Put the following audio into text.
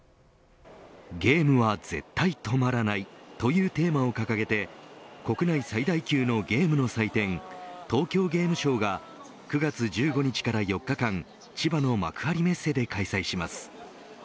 ゲームは、絶対、とまらない。というテーマを掲げて国内最大級のゲームの祭典東京ゲームショウが９月１５日から４日間千葉の幕張メッセで開催します